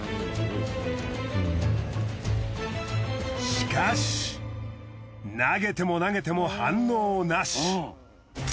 しかし投げても投げても反応なし。